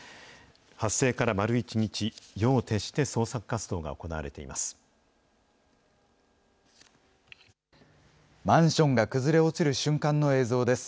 発生から丸１日、夜を徹して捜索活動が行われています。